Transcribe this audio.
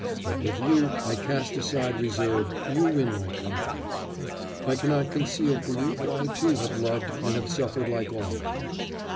But with you I cast aside reserve; you win my confidence.... I cannot conceal from you that I too have loved and have suffered like all men....